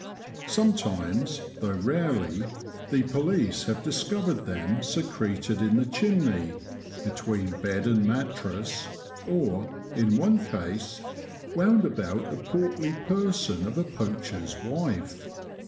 Sometimes, though rarely, the police have discovered them secreted in the chimney, between bed and mattrass, or, in one case, wound about the portly person of a poacher's wife.